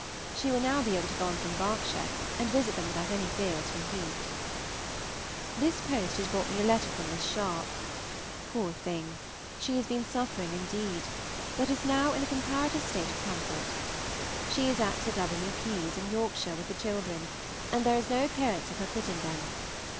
She will now be able to go on from Berks and visit them without any fears from heat. This post has brought me a letter from Miss Sharpe. Poor thing! she has been suffering indeed, but is now in a comparative state of comfort. She is at Sir W. P.'s, in Yorkshire, with the children, and there is no appearance of her quitting them.